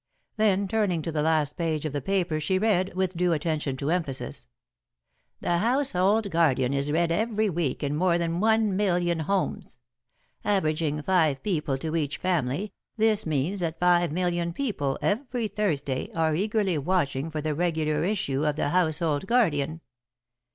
Then, turning to the last page of the paper, she read, with due attention to emphasis: "'The Household Guardian is read every week in more than one million homes. Averaging five people to each family, this means that five million people, every Thursday, are eagerly watching for the regular issue of The Household Guardian.'